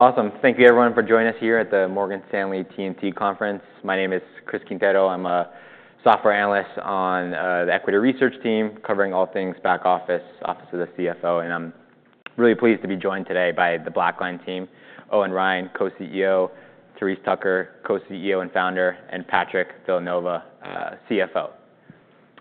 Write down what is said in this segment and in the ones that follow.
Awesome. Thank you, everyone, for joining us here at the Morgan Stanley TMT Conference. My name is Chris Quintero. I'm a software analyst on the Equity Research team, covering all things back office, Office of the CFO. And I'm really pleased to be joined today by the BlackLine team, Owen Ryan, Co-CEO, Therese Tucker, Co-CEO and founder, and Patrick Villanova, CFO.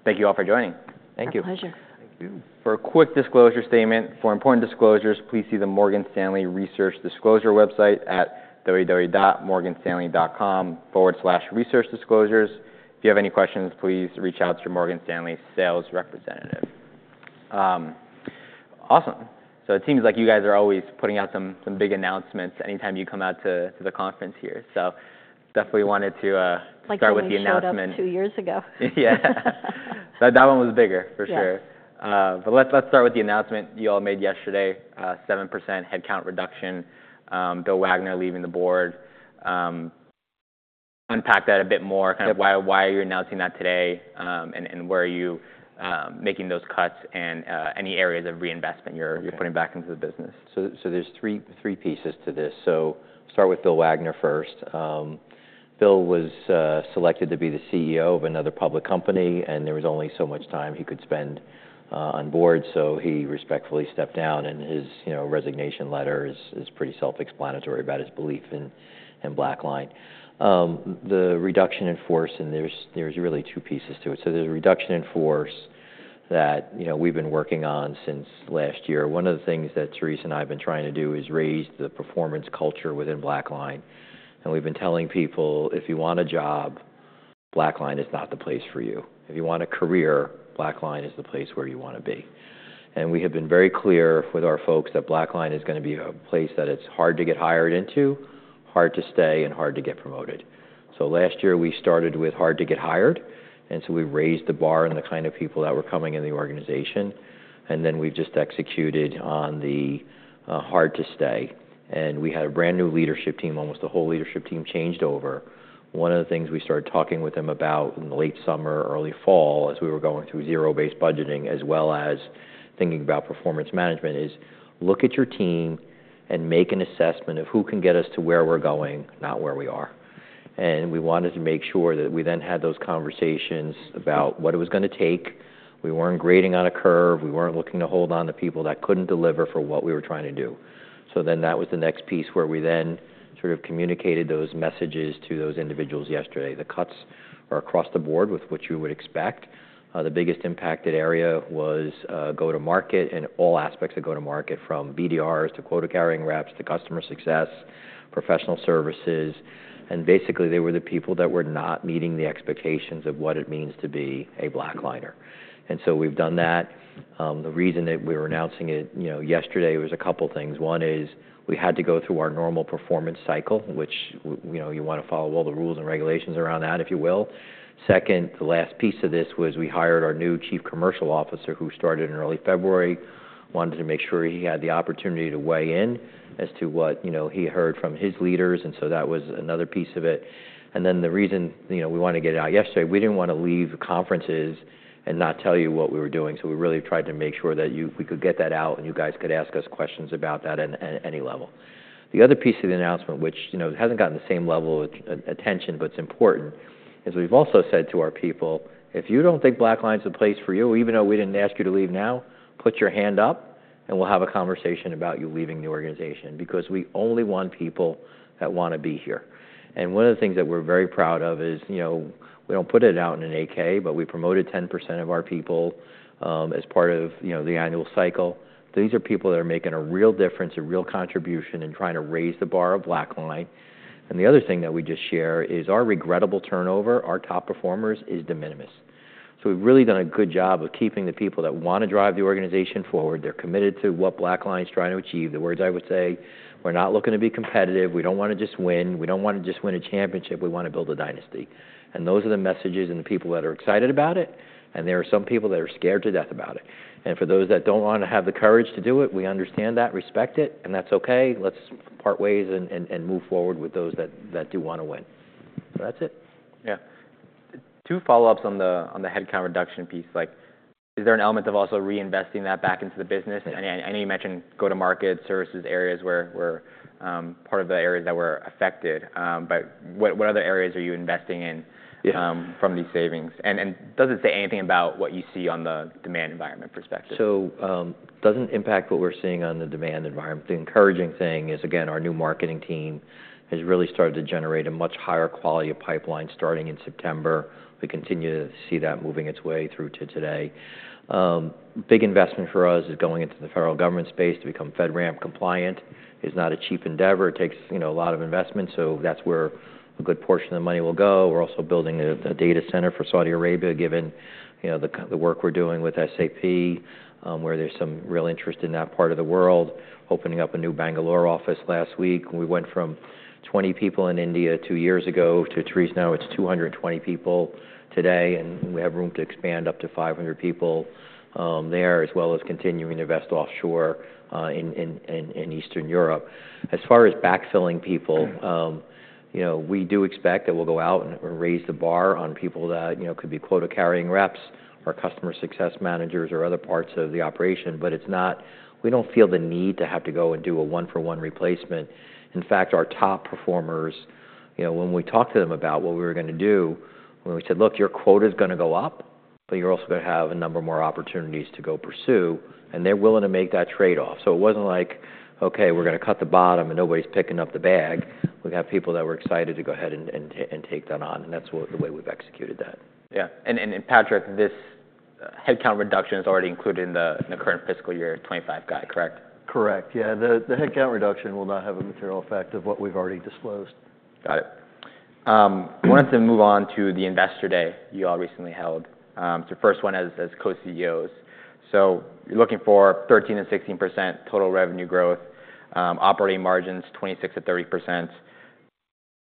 Thank you all for joining. Thank you. Pleasure. Thank you. For a quick disclosure statement, for important disclosures, please see the Morgan Stanley Research Disclosure website at www.morganstanley.com/researchdisclosures. If you have any questions, please reach out to your Morgan Stanley sales representative. Awesome, so it seems like you guys are always putting out some big announcements anytime you come out to the conference here, so definitely wanted to start with the announcement. Like the shout-out two years ago. Yeah. That one was bigger, for sure. But let's start with the announcement you all made yesterday: 7% headcount reduction, Bill Wagner leaving the board. Unpack that a bit more. Kind of why are you announcing that today, and where are you making those cuts, and any areas of reinvestment you're putting back into the business? So there's three pieces to this. So start with Bill Wagner first. Bill was selected to be the CEO of another public company, and there was only so much time he could spend on board. So he respectfully stepped down, and his resignation letter is pretty self-explanatory about his belief in BlackLine. The reduction in force, and there's really two pieces to it. So there's a reduction in force that we've been working on since last year. One of the things that Therese and I have been trying to do is raise the performance culture within BlackLine, and we've been telling people, if you want a job, BlackLine is not the place for you. If you want a career, BlackLine is the place where you want to be. We have been very clear with our folks that BlackLine is going to be a place that it's hard to get hired into, hard to stay, and hard to get promoted. Last year, we started with hard to get hired, and we raised the bar on the kind of people that were coming in the organization. Then we've just executed on the hard to stay. We had a brand new leadership team. Almost the whole leadership team changed over. One of the things we started talking with them about in the late summer, early fall, as we were going through Zero-Based Budgeting as well as thinking about performance management, is look at your team and make an assessment of who can get us to where we're going, not where we are. We wanted to make sure that we then had those conversations about what it was going to take. We weren't grading on a curve. We weren't looking to hold on to people that couldn't deliver for what we were trying to do. Then that was the next piece where we then sort of communicated those messages to those individuals yesterday. The cuts are across the board with what you would expect. The biggest impacted area was go-to-market and all aspects of go-to-market, from BDRs to quota-carrying reps to customer success, professional services. Basically, they were the people that were not meeting the expectations of what it means to be a BlackLiner. So we've done that. The reason that we were announcing it yesterday was a couple of things. One is we had to go through our normal performance cycle, which you want to follow all the rules and regulations around that, if you will. Second, the last piece of this was we hired our new Chief Commercial Officer, who started in early February, wanted to make sure he had the opportunity to weigh in as to what he heard from his leaders. And so that was another piece of it. And then the reason we wanted to get it out yesterday, we didn't want to leave conferences and not tell you what we were doing. So we really tried to make sure that we could get that out and you guys could ask us questions about that at any level. The other piece of the announcement, which hasn't gotten the same level of attention, but it's important, is we've also said to our people, if you don't think BlackLine's the place for you, even though we didn't ask you to leave now, put your hand up and we'll have a conversation about you leaving the organization. Because we only want people that want to be here. One of the things that we're very proud of is we don't put it out in an 8-K, but we promoted 10% of our people as part of the annual cycle. These are people that are making a real difference, a real contribution, and trying to raise the bar of BlackLine. The other thing that we just share is our regrettable turnover, our top performers, is de minimis. So we've really done a good job of keeping the people that want to drive the organization forward. They're committed to what BlackLine's trying to achieve. The words I would say, we're not looking to be competitive. We don't want to just win. We don't want to just win a championship. We want to build a dynasty. And those are the messages and the people that are excited about it. And there are some people that are scared to death about it. And for those that don't want to have the courage to do it, we understand that, respect it, and that's okay. Let's part ways and move forward with those that do want to win. So that's it. Yeah. Two follow-ups on the headcount reduction piece. Is there an element of also reinvesting that back into the business? I know you mentioned go-to-market, services, areas where part of the areas that were affected. But what other areas are you investing in from these savings? And does it say anything about what you see on the demand environment perspective? So it doesn't impact what we're seeing on the demand environment. The encouraging thing is, again, our new marketing team has really started to generate a much higher quality of pipeline starting in September. We continue to see that moving its way through to today. Big investment for us is going into the federal government space to become FedRAMP compliant. It's not a cheap endeavor. It takes a lot of investment. So that's where a good portion of the money will go. We're also building a data center for Saudi Arabia, given the work we're doing with SAP, where there's some real interest in that part of the world. Opening up a new Bangalore office last week. We went from 20 people in India two years ago to Therese now, it's 220 people today. We have room to expand up to 500 people there, as well as continuing to invest offshore in Eastern Europe. As far as backfilling people, we do expect that we'll go out and raise the bar on people that could be quota carrying reps or customer success managers or other parts of the operation. We don't feel the need to have to go and do a one-for-one replacement. In fact, our top performers, when we talked to them about what we were going to do, when we said, "Look, your quota is going to go up, but you're also going to have a number more opportunities to go pursue." They're willing to make that trade-off. It wasn't like, "Okay, we're going to cut the bottom and nobody's picking up the bag." We have people that were excited to go ahead and take that on. That's the way we've executed that. Yeah. And Patrick, this headcount reduction is already included in the current fiscal year 2025 guide, correct? Correct. Yeah. The headcount reduction will not have a material effect of what we've already disclosed. Got it. I wanted to move on to the investor day you all recently held. So first one as co-CEOs. So you're looking for 13% and 16% total revenue growth. Operating margins 26%-30%.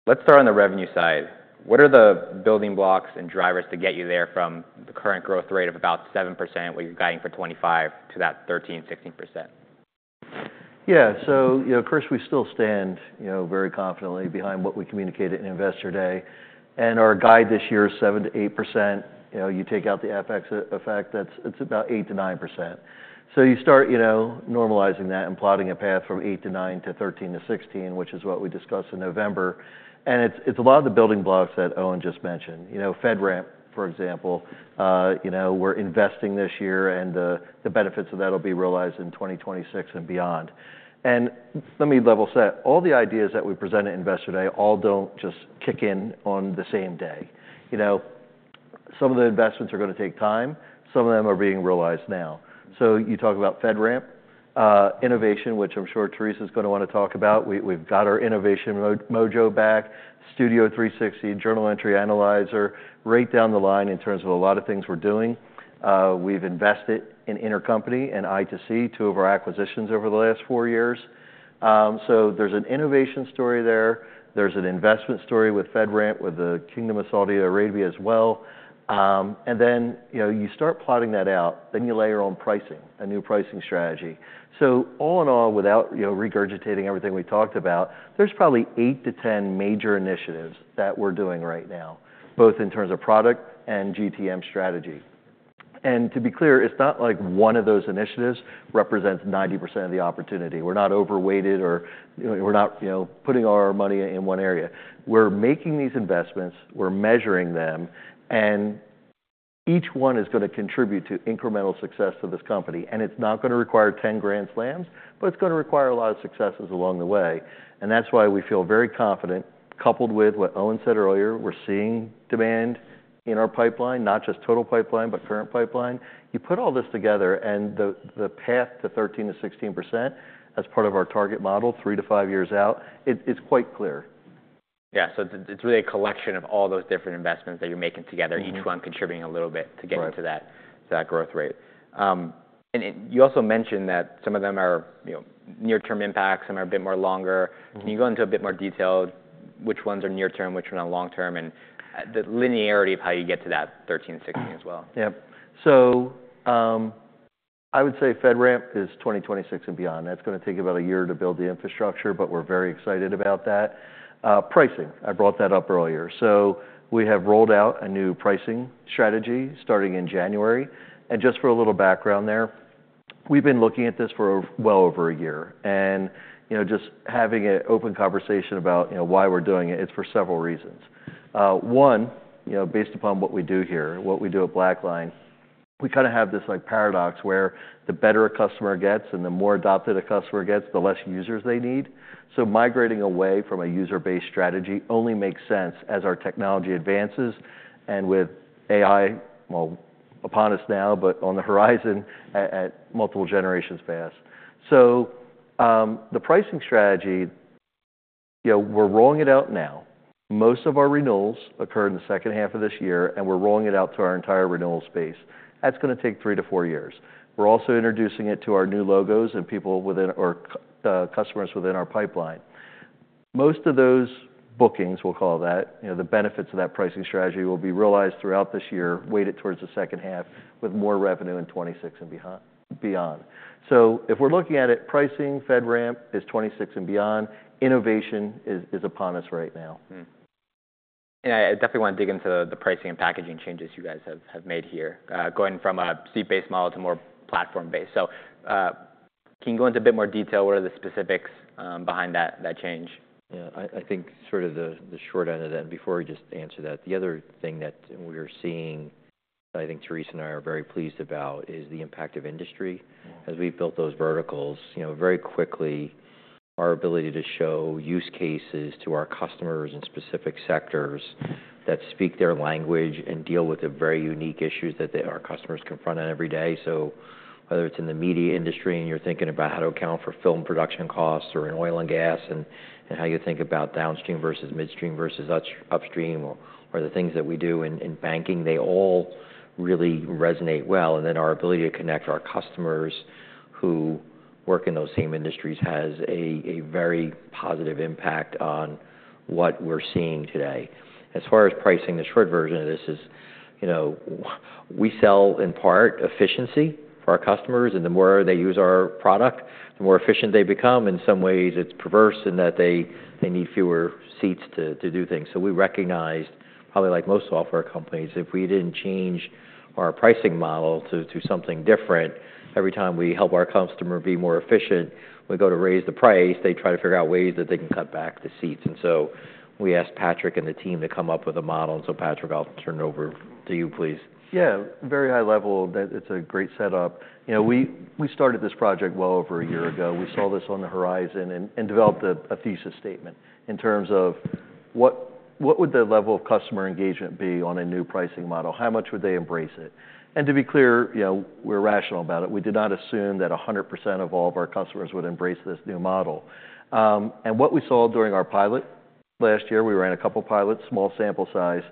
Let's start on the revenue side. What are the building blocks and drivers to get you there from the current growth rate of about 7%, what you're guiding for 25%, to that 13% and 16%? Yeah. So of course, we still stand very confidently behind what we communicated in Investor Day. And our guide this year is 7%-8%. You take out the FX effect, it's about 8%-9%. So you start normalizing that and plotting a path from 8%-9% to 13%-16%, which is what we discussed in November. And it's a lot of the building blocks that Owen just mentioned. FedRAMP, for example, we're investing this year, and the benefits of that will be realized in 2026 and beyond. And let me level set. All the ideas that we present at Investor Day all don't just kick in on the same day. Some of the investments are going to take time. Some of them are being realized now. So you talk about FedRAMP, innovation, which I'm sure Therese is going to want to talk about. We've got our innovation mojo back, Studio 360, Journal Entry Analyzer, right down the line in terms of a lot of things we're doing. We've invested in Intercompany and I2C, two of our acquisitions over the last four years. So there's an innovation story there. There's an investment story with FedRAMP, with the Kingdom of Saudi Arabia as well. And then you start plotting that out, then you layer on pricing, a new pricing strategy. So all in all, without regurgitating everything we talked about, there's probably 8%-10% major initiatives that we're doing right now, both in terms of product and GTM strategy. And to be clear, it's not like one of those initiatives represents 90% of the opportunity. We're not overweighted or we're not putting our money in one area. We're making these investments. We're measuring them. Each one is going to contribute to incremental success to this company. It's not going to require 10 grand slams, but it's going to require a lot of successes along the way. That's why we feel very confident, coupled with what Owen said earlier, we're seeing demand in our pipeline, not just total pipeline, but current pipeline. You put all this together, and the path to 13%-16% as part of our target model three to five years out, it's quite clear. Yeah. So it's really a collection of all those different investments that you're making together, each one contributing a little bit to getting to that growth rate. And you also mentioned that some of them are near-term impacts, some are a bit more longer. Can you go into a bit more detail which ones are near-term, which ones are long-term, and the linearity of how you get to that 13% and 16% as well? Yeah. So I would say FedRAMP is 2026 and beyond. That's going to take about a year to build the infrastructure, but we're very excited about that. Pricing, I brought that up earlier. So we have rolled out a new pricing strategy starting in January. And just for a little background there, we've been looking at this for well over a year. And just having an open conversation about why we're doing it, it's for several reasons. One, based upon what we do here, what we do at BlackLine, we kind of have this paradox where the better a customer gets and the more adopted a customer gets, the less users they need. So migrating away from a user-based strategy only makes sense as our technology advances and with AI, well, upon us now, but on the horizon at multiple generations past. The pricing strategy, we're rolling it out now. Most of our renewals occur in the second half of this year, and we're rolling it out to our entire renewal space. That's going to take three to four years. We're also introducing it to our new logos and people within our customers within our pipeline. Most of those bookings, we'll call that, the benefits of that pricing strategy will be realized throughout this year, weighted towards the second half with more revenue in 2026 and beyond. If we're looking at it, pricing, FedRAMP is 2026 and beyond. Innovation is upon us right now. I definitely want to dig into the pricing and packaging changes you guys have made here, going from a seat-based model to more platform-based. Can you go into a bit more detail? What are the specifics behind that change? Yeah. I think sort of the short end of that, and before we just answer that, the other thing that we're seeing that I think Therese and I are very pleased about is the impact of industry. As we've built those verticals, very quickly, our ability to show use cases to our customers in specific sectors that speak their language and deal with the very unique issues that our customers confront every day. So whether it's in the media industry and you're thinking about how to account for film production costs or in oil and gas and how you think about downstream versus midstream versus upstream or the things that we do in banking, they all really resonate well. And then our ability to connect our customers who work in those same industries has a very positive impact on what we're seeing today. As far as pricing, the short version of this is we sell in part efficiency for our customers. And the more they use our product, the more efficient they become. In some ways, it's perverse in that they need fewer seats to do things. So we recognized, probably like most software companies, if we didn't change our pricing model to something different, every time we help our customer be more efficient, we go to raise the price, they try to figure out ways that they can cut back the seats. And so we asked Patrick and the team to come up with a model. And so Patrick, I'll turn it over to you, please. Yeah. Very high level. It's a great setup. We started this project well over a year ago. We saw this on the horizon and developed a thesis statement in terms of what would the level of customer engagement be on a new pricing model? How much would they embrace it? And to be clear, we're rational about it. We did not assume that 100% of all of our customers would embrace this new model. And what we saw during our pilot last year, we ran a couple of pilots, small sample size,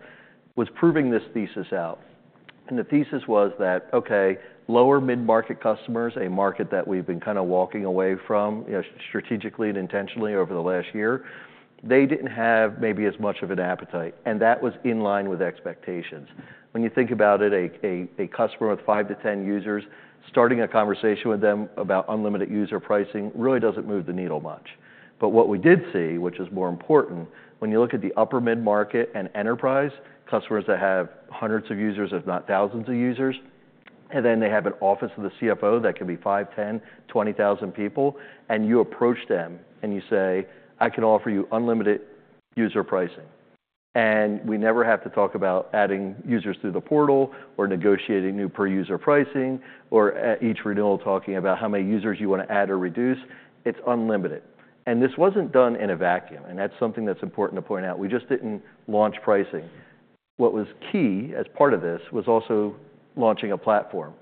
was proving this thesis out. And the thesis was that, okay, lower mid-market customers, a market that we've been kind of walking away from strategically and intentionally over the last year, they didn't have maybe as much of an appetite. And that was in line with expectations. When you think about it, a customer with 5%-10% users, starting a conversation with them about unlimited user pricing really doesn't move the needle much, but what we did see, which is more important, when you look at the upper mid-market and enterprise customers that have hundreds of users, if not thousands of users, and then they have an Office of the CFO that can be five, 10, 20,000 people, and you approach them and you say, "I can offer you unlimited user pricing," and we never have to talk about adding users through the portal or negotiating new per-user pricing or each renewal talking about how many users you want to add or reduce. It's unlimited, and this wasn't done in a vacuum, and that's something that's important to point out. We just didn't launch pricing. What was key as part of this was also launching a platform.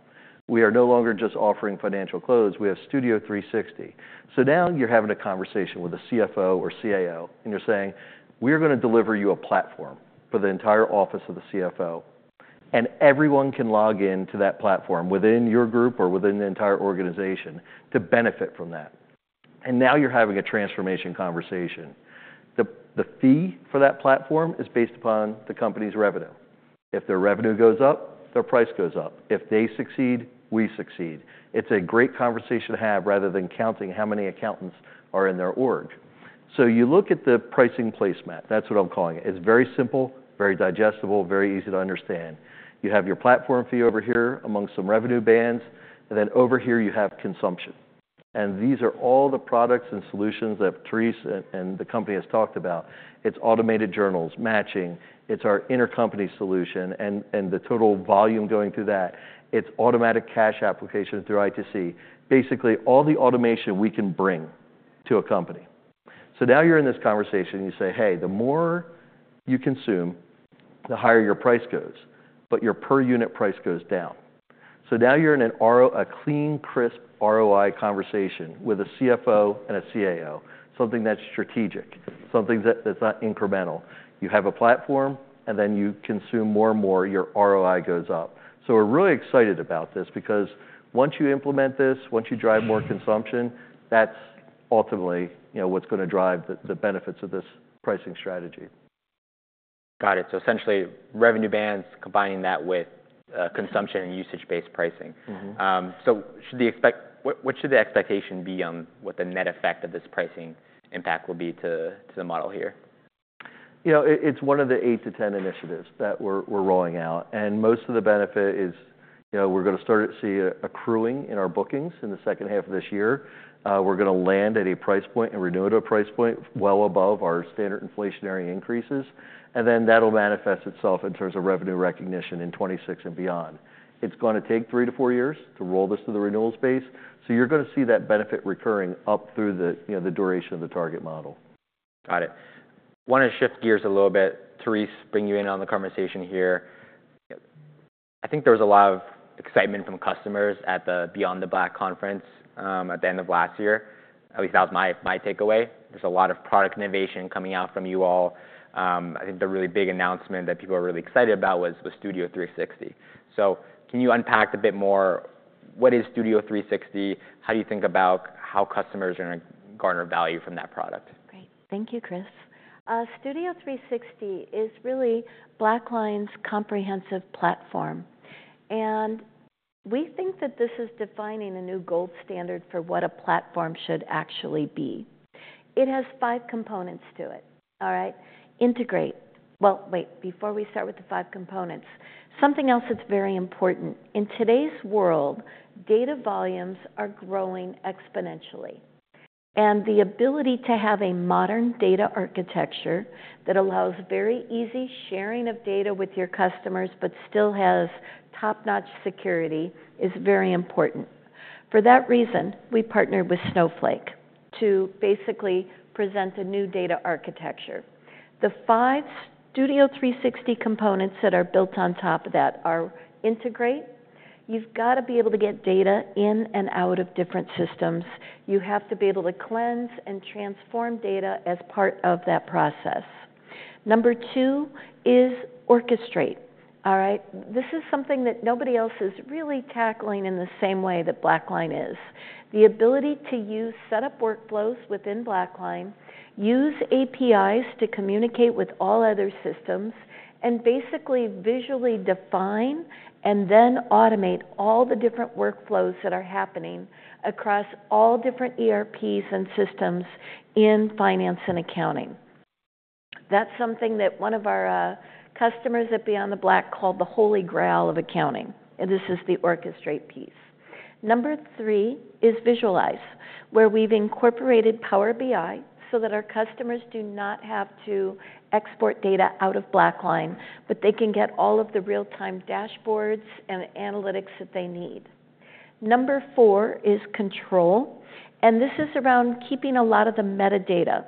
We are no longer just offering financial close. We have Studio 360. So now you're having a conversation with a CFO or CIO, and you're saying, "We're going to deliver you a platform for the entire Office of the CFO." And everyone can log into that platform within your group or within the entire organization to benefit from that. And now you're having a transformation conversation. The fee for that platform is based upon the company's revenue. If their revenue goes up, their price goes up. If they succeed, we succeed. It's a great conversation to have rather than counting how many accountants are in their org. So you look at the pricing placemat. That's what I'm calling it. It's very simple, very digestible, very easy to understand. You have your platform fee over here amongst some revenue bands. And then over here, you have consumption. And these are all the products and solutions that Therese and the company has talked about. It's automated journals, matching. It's our intercompany solution and the total volume going through that. It's automatic cash application through I2C. Basically, all the automation we can bring to a company. So now you're in this conversation. You say, "Hey, the more you consume, the higher your price goes, but your per-unit price goes down." So now you're in a clean, crisp ROI conversation with a CFO and a CIO, something that's strategic, something that's not incremental. You have a platform, and then you consume more and more, your ROI goes up. So we're really excited about this because once you implement this, once you drive more consumption, that's ultimately what's going to drive the benefits of this pricing strategy. Got it. So essentially, revenue bands, combining that with consumption and usage-based pricing. So what should the expectation be on what the net effect of this pricing impact will be to the model here? It's one of the 8%-10% initiatives that we're rolling out, and most of the benefit is we're going to start to see accruing in our bookings in the second half of this year. We're going to land at a price point and renew it at a price point well above our standard inflationary increases, and then that'll manifest itself in terms of revenue recognition in 2026 and beyond. It's going to take three to four years to roll this to the renewal space, so you're going to see that benefit recurring up through the duration of the target model. Got it. I want to shift gears a little bit. Therese, bring you in on the conversation here. I think there was a lot of excitement from customers at the Beyond the Black Conference at the end of last year. At least that was my takeaway. There's a lot of product innovation coming out from you all. I think the really big announcement that people are really excited about was Studio 360. So can you unpack a bit more? What is Studio 360? How do you think about how customers are going to garner value from that product? Great. Thank you, Chris. Studio 360 is really BlackLine's comprehensive platform, and we think that this is defining a new gold standard for what a platform should actually be. It has five components to it, all right? Integrate. Well, wait, before we start with the five components, something else that's very important. In today's world, data volumes are growing exponentially, and the ability to have a modern data architecture that allows very easy sharing of data with your customers but still has top-notch security is very important. For that reason, we partnered with Snowflake to basically present a new data architecture. The five Studio 360 components that are built on top of that are Integrate. You've got to be able to get data in and out of different systems. You have to be able to cleanse and transform data as part of that process. Number two is Orchestrate. All right? This is something that nobody else is really tackling in the same way that BlackLine is. The ability to use setup workflows within BlackLine, use APIs to communicate with all other systems, and basically visually define and then automate all the different workflows that are happening across all different ERPs and systems in finance and accounting. That's something that one of our customers at Bed Bath & Beyond called the Holy Grail of accounting. And this is the Orchestrate piece. Number three is Visualize, where we've incorporated Power BI so that our customers do not have to export data out of BlackLine, but they can get all of the real-time dashboards and analytics that they need. Number four is Control. And this is around keeping a lot of the metadata.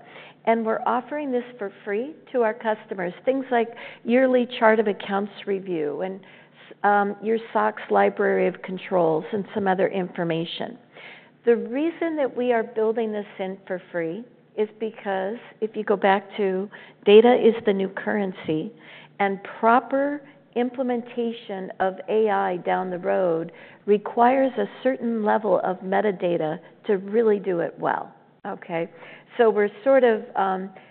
We're offering this for free to our customers, things like yearly chart of accounts review and your SOX library of controls and some other information. The reason that we are building this in for free is because if you go back to data is the new currency, and proper implementation of AI down the road requires a certain level of metadata to really do it well. Okay? We're sort of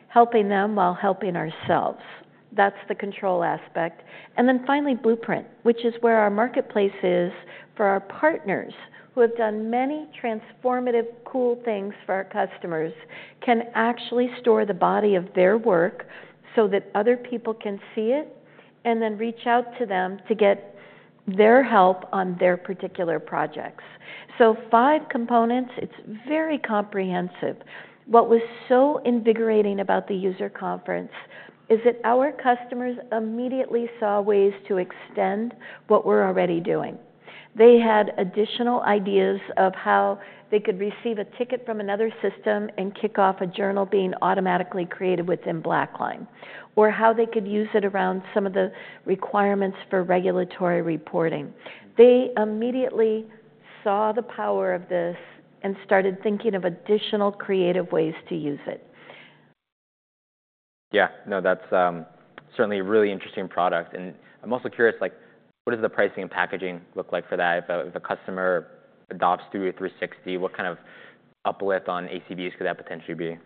helping them while helping ourselves. That's the control aspect. Finally, Blueprint, which is where our marketplace is for our partners who have done many transformative, cool things for our customers, can actually store the body of their work so that other people can see it and then reach out to them to get their help on their particular projects. Five components. It's very comprehensive. What was so invigorating about the user conference is that our customers immediately saw ways to extend what we're already doing. They had additional ideas of how they could receive a ticket from another system and kick off a journal being automatically created within BlackLine, or how they could use it around some of the requirements for regulatory reporting. They immediately saw the power of this and started thinking of additional creative ways to use it. Yeah. No, that's certainly a really interesting product. And I'm also curious, what does the pricing and packaging look like for that? If a customer adopts Studio 360, what kind of uplift on ACVs could that potentially be?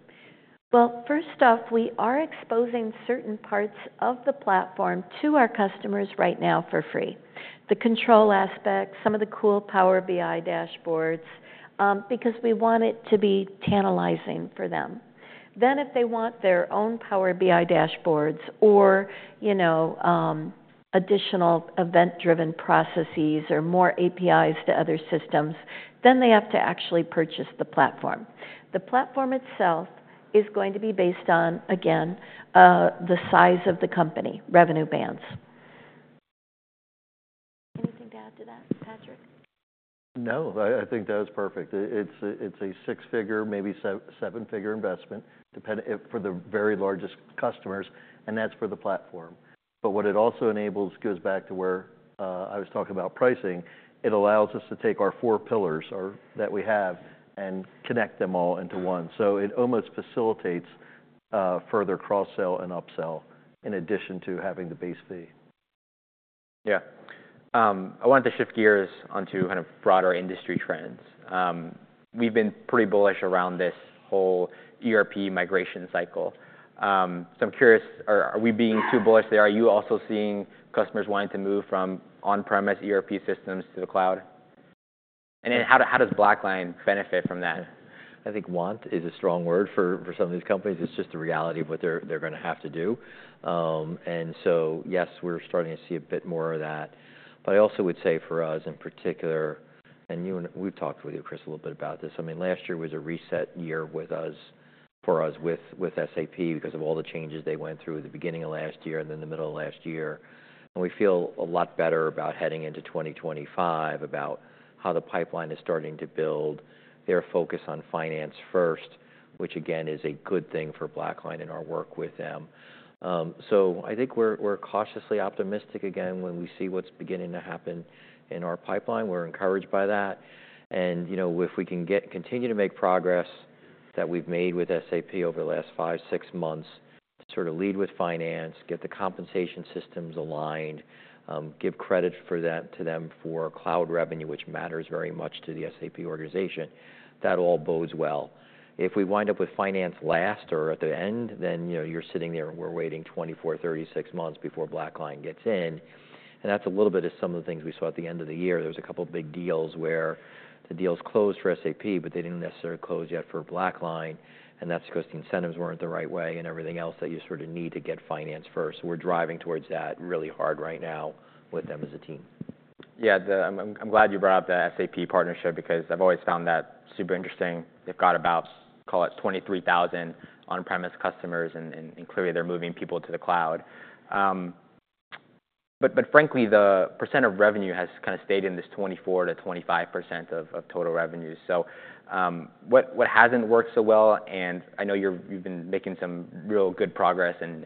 First off, we are exposing certain parts of the platform to our customers right now for free: the control aspect, some of the cool Power BI dashboards, because we want it to be channelizing for them. Then if they want their own Power BI dashboards or additional event-driven processes or more APIs to other systems, then they have to actually purchase the platform. The platform itself is going to be based on, again, the size of the company, revenue bands. Anything to add to that, Patrick? No. I think that was perfect. It's a six-figure, maybe seven-figure investment for the very largest customers, and that's for the platform. But what it also enables goes back to where I was talking about pricing. It allows us to take our four pillars that we have and connect them all into one. So it almost facilitates further cross-sell and upsell in addition to having the base fee. Yeah. I wanted to shift gears onto kind of broader industry trends. We've been pretty bullish around this whole ERP migration cycle, so I'm curious, are we being too bullish there? Are you also seeing customers wanting to move from on-premise ERP systems to the cloud, and then how does BlackLine benefit from that? I think "want" is a strong word for some of these companies. It's just the reality of what they're going to have to do. And so yes, we're starting to see a bit more of that. But I also would say for us in particular, and we've talked with you, Chris, a little bit about this. I mean, last year was a reset year for us with SAP because of all the changes they went through at the beginning of last year and then the middle of last year. And we feel a lot better about heading into 2025, about how the pipeline is starting to build, their focus on finance first, which again is a good thing for BlackLine and our work with them. So I think we're cautiously optimistic again when we see what's beginning to happen in our pipeline. We're encouraged by that. If we can continue to make progress that we've made with SAP over the last five, six months to sort of lead with finance, get the compensation systems aligned, give credit to them for cloud revenue, which matters very much to the SAP organization, that all bodes well. If we wind up with finance last or at the end, then you're sitting there and we're waiting 24, 36 months before BlackLine gets in. And that's a little bit of some of the things we saw at the end of the year. There was a couple of big deals where the deals closed for SAP, but they didn't necessarily close yet for BlackLine. And that's because the incentives weren't the right way and everything else that you sort of need to get finance first. So we're driving towards that really hard right now with them as a team. Yeah. I'm glad you brought up the SAP partnership because I've always found that super interesting. They've got about, call it 23,000 on-premise customers, and clearly they're moving people to the cloud. But frankly, the percent of revenue has kind of stayed in this 24%-25% of total revenue. So what hasn't worked so well? And I know you've been making some real good progress and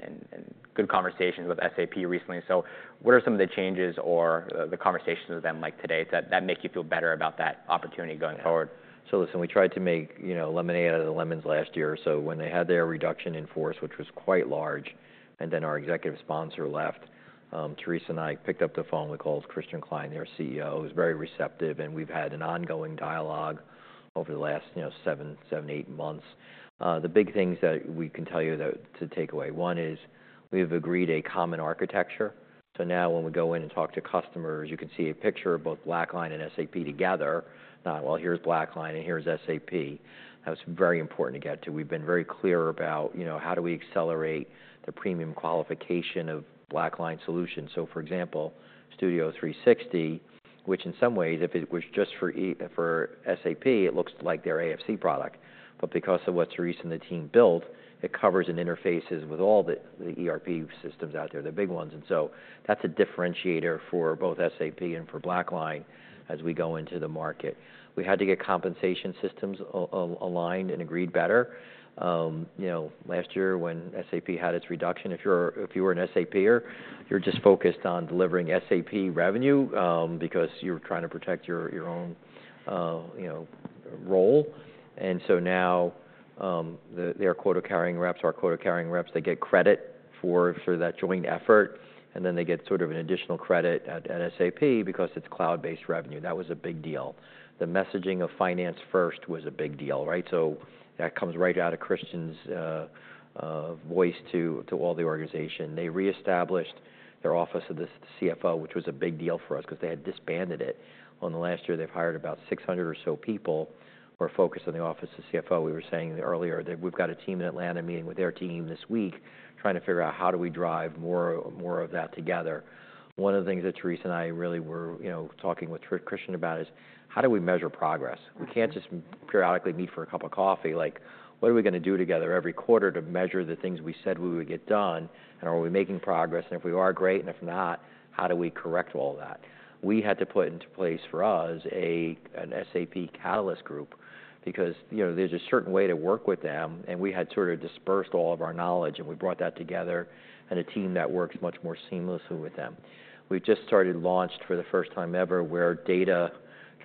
good conversations with SAP recently. So what are some of the changes or the conversations with them like today that make you feel better about that opportunity going forward? So listen, we tried to make lemonade out of the lemons last year. So when they had their reduction in force, which was quite large, and then our executive sponsor left, Therese and I picked up the phone. We called Christian Klein, their CEO. He was very receptive. And we've had an ongoing dialogue over the last seven, eight months. The big things that we can tell you to take away, one is we have agreed a common architecture. So now when we go in and talk to customers, you can see a picture of both BlackLine and SAP together. Well, here's BlackLine and here's SAP. That was very important to get to. We've been very clear about how do we accelerate the premium qualification of BlackLine solutions. So for example, Studio 360, which in some ways, if it was just for SAP, it looks like their AFC product. But because of what Therese and the team built, it covers and interfaces with all the ERP systems out there, the big ones. And so that's a differentiator for both SAP and for BlackLine as we go into the market. We had to get compensation systems aligned and agreed better. Last year, when SAP had its reduction, if you were an SAPer, you're just focused on delivering SAP revenue because you're trying to protect your own role. And so now their quota-carrying reps, our quota-carrying reps, they get credit for that joint effort. And then they get sort of an additional credit at SAP because it's cloud-based revenue. That was a big deal. The messaging of finance first was a big deal, right? So that comes right out of Christian's voice to all the organization. They reestablished their Office of the CFO, which was a big deal for us because they had disbanded it. In the last year, they've hired about 600 or so people who are focused on the Office of the CFO. We were saying earlier that we've got a team in Atlanta meeting with their team this week trying to figure out how do we drive more of that together. One of the things that Therese and I really were talking with Christian about is how do we measure progress? We can't just periodically meet for a cup of coffee. What are we going to do together every quarter to measure the things we said we would get done? And are we making progress? And if we are, great. And if not, how do we correct all that? We had to put into place for us an SAP Catalyst Group because there's a certain way to work with them. And we had sort of dispersed all of our knowledge. And we brought that together in a team that works much more seamlessly with them. We've just launched for the first time ever where data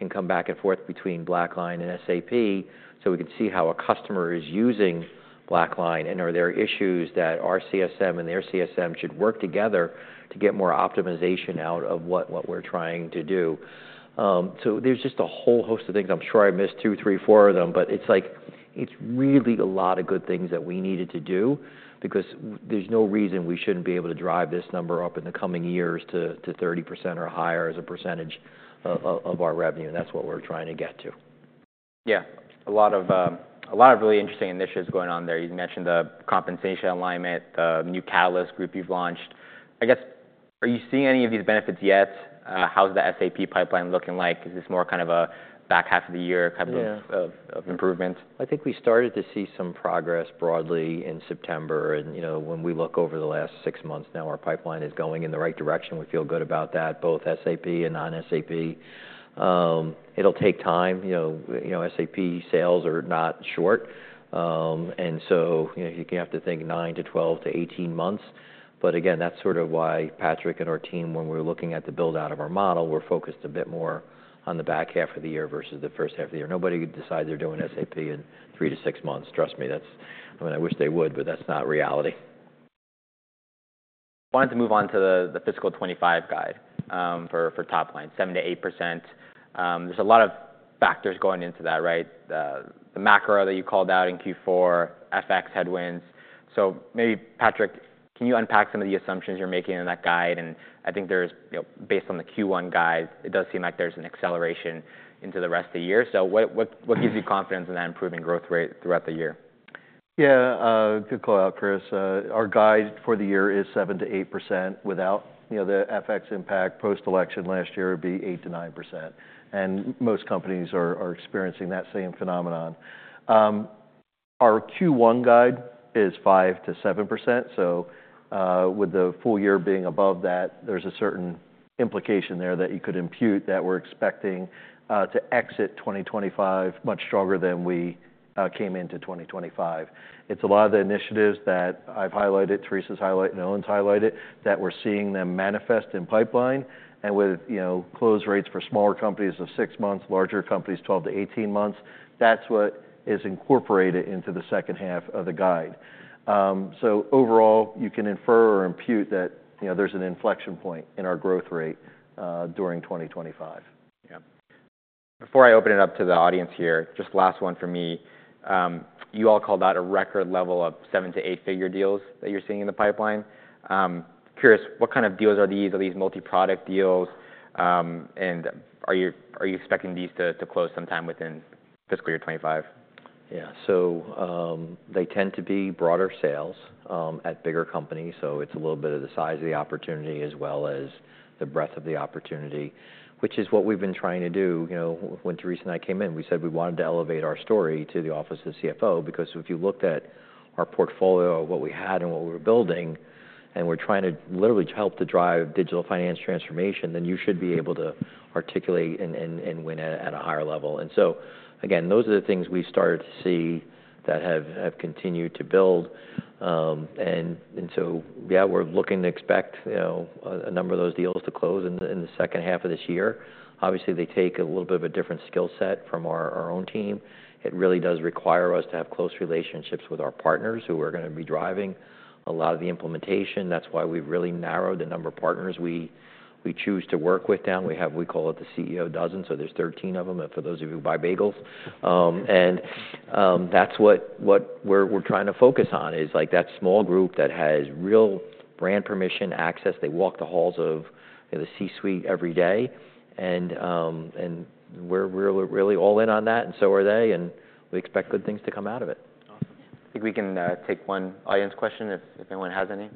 can come back and forth between BlackLine and SAP so we can see how a customer is using BlackLine and are there issues that our CSM and their CSM should work together to get more optimization out of what we're trying to do. So there's just a whole host of things. I'm sure I missed two, three, four of them. But it's like it's really a lot of good things that we needed to do because there's no reason we shouldn't be able to drive this number up in the coming years to 30% or higher as a percentage of our revenue. And that's what we're trying to get to. Yeah. A lot of really interesting initiatives going on there. You mentioned the compensation alignment, the new Catalyst group you've launched. I guess, are you seeing any of these benefits yet? How's the SAP pipeline looking like? Is this more kind of a back half of the year kind of improvement? I think we started to see some progress broadly in September, and when we look over the last six months now, our pipeline is going in the right direction. We feel good about that, both SAP and non-SAP. It'll take time. SAP sales are not short, and so you have to think nine to 12 to 18 months, but again, that's sort of why Patrick and our team, when we're looking at the build-out of our model, we're focused a bit more on the back half of the year versus the first half of the year. Nobody decides they're doing SAP in three to six months. Trust me. I mean, I wish they would, but that's not reality. Wanted to move on to the fiscal 2025 guide for top line, 7%-8%. There's a lot of factors going into that, right? The macro that you called out in Q4, FX headwinds. So maybe, Patrick, can you unpack some of the assumptions you're making in that guide? And I think based on the Q1 guide, it does seem like there's an acceleration into the rest of the year. So what gives you confidence in that improving growth rate throughout the year? Yeah. Good call out, Chris. Our guide for the year is 7%-8% without the FX impact. Post-election last year, it would be 8%-9%, and most companies are experiencing that same phenomenon. Our Q1 guide is 5%-7%, so with the full year being above that, there's a certain implication there that you could impute that we're expecting to exit 2025 much stronger than we came into 2025. It's a lot of the initiatives that I've highlighted, Therese has highlighted, and Owen's highlighted that we're seeing them manifest in pipeline, and with closed rates for smaller companies of six months, larger companies 12-18 months, that's what is incorporated into the second half of the guide, so overall, you can infer or impute that there's an inflection point in our growth rate during 2025. Yeah. Before I open it up to the audience here, just last one for me. You all called out a record level of seven- to eight-figure deals that you're seeing in the pipeline. Curious, what kind of deals are these? Are these multi-product deals, and are you expecting these to close sometime within fiscal year 2025? Yeah, so they tend to be broader sales at bigger companies, so it's a little bit of the size of the opportunity as well as the breadth of the opportunity, which is what we've been trying to do. When Therese and I came in, we said we wanted to elevate our story to the Office of the CFO because if you looked at our portfolio, what we had, and what we were building, and we're trying to literally help to drive digital finance transformation, then you should be able to articulate and win at a higher level, and so again, those are the things we've started to see that have continued to build, and so yeah, we're looking to expect a number of those deals to close in the second half of this year. Obviously, they take a little bit of a different skill set from our own team. It really does require us to have close relationships with our partners who are going to be driving a lot of the implementation. That's why we've really narrowed the number of partners we choose to work with down. We call it the CEO Dozen. So there's 13 of them, for those of you who buy bagels. And that's what we're trying to focus on is that small group that has real brand permission access. They walk the halls of the C-suite every day. And we're really all in on that. And so are they. And we expect good things to come out of it. Awesome. I think we can take one audience question if anyone has any.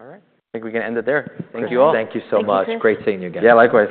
All right. I think we can end it there. Thank you all. Thank you so much. Great seeing you again. Yeah. Likewise.